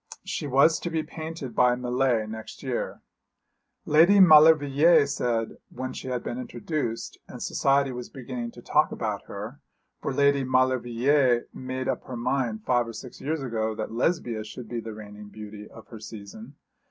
She was to be painted by Millais next year. Lady Maulevrier said, when she had been introduced, and society was beginning to talk about her: for Lady Maulevrier made up her mind five or six years ago that Lesbia should be the reigning beauty of her season.